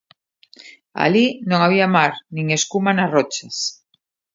Alí non había mar nin escuma nas rochas.